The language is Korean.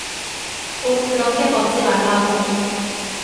옷 그렇게 벗지 말라고